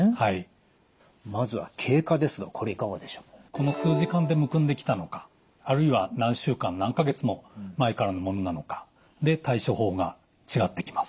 この数時間でむくんできたのかあるいは何週間何か月も前からのものなのかで対処法が違ってきます。